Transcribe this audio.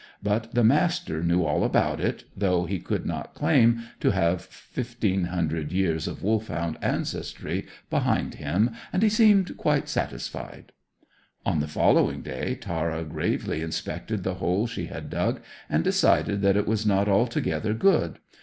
But the Master knew all about it, though he could not claim to have fifteen hundred years of Wolfhound ancestry behind him, and he seemed quite satisfied. On the following day Tara gravely inspected the hole she had dug, and decided that it was not altogether good.